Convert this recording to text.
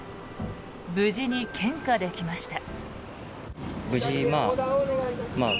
無事に献花できました。